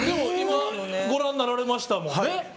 今、ご覧になられましたもんね。